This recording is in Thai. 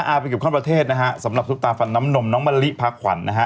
อาวิธิกภัณฑ์ประเทศสำหรับซุปตาฝันน้ำนมน้องมะลิพระขวัญ